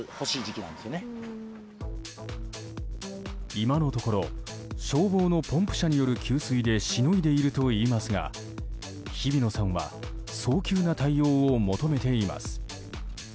今のところ消防のポンプ車による給水でしのいでいるといいますが日比野さんは早急な対応を求めています。